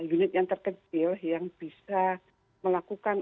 unit yang terkecil yang bisa melakukan